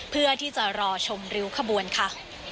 เพื่อที่จะรอชมริ้วขบวนค่ะ